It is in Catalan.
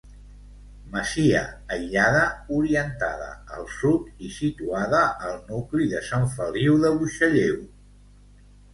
Masia aïllada, orientada al sud i situada al nucli de Sant Feliu de Buixalleu.